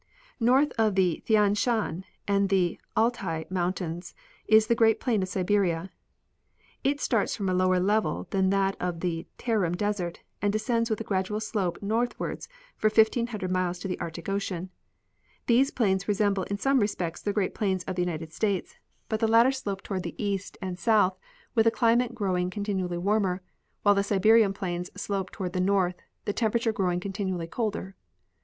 North of the Thian Shan and the Altai mountains is the great plain of Siberia. It starts from a lower level than that of the Tarim desert and descends with a gradual slope northward for 1,500 miles to the Arctic ocean. These plains resemble in some respects the great plains of the United States, but the latter 124 Q. G. Hubbard — Air and Water, Temperature and Life. slope toward the east and south with a climate growing contin ually warmer, while the Siberian plains slope toward the north, the temperature growing continually colder.